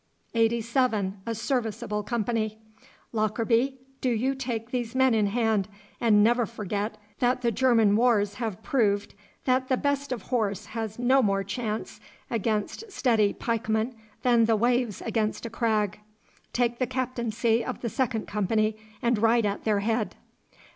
Eighty seven, a serviceable company! Lockarby, do you take these men in hand, and never forget that the German wars have proved that the best of horse has no more chance against steady pikemen than the waves against a crag. Take the captaincy of the second company, and ride at their head.